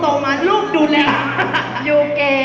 ท้องมือค่ะ